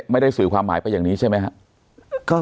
ไม่ได้สื่อความหมายไปอย่างนี้ใช่ไหมครับ